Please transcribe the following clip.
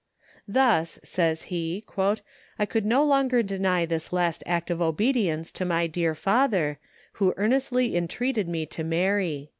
"Thus," says he, "I could no longer deny this last act of obedience to my dear father, who earnestly entreated me to marry."